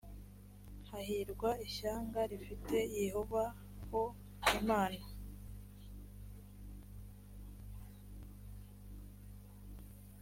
hahirwa ishyanga rifite yehova ho imana